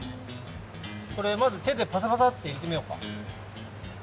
これまずてでパサパサッていれてみようか。